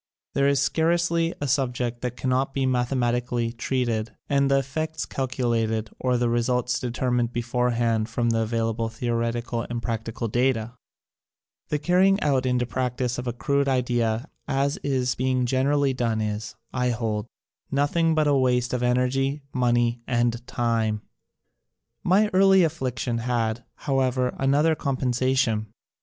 There is scarcely a subject that cannot be mathe matically treated and the effects calculated or the results determined beforehand from the available theoretical and practical data. The carrying out into practise of a crude idea as is being generally done is, I hold, nothing but a waste of energy, money and time. My early affliction had, however, another compensation.